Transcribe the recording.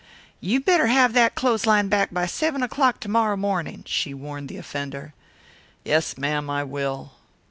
"You better have that clothesline back by seven o'clock to morrow morning," she warned the offender. "Yes, ma'am, I will."